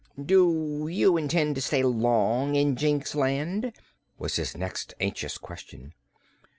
"Do you intend to stay long in Jinxland?" was his next anxious question.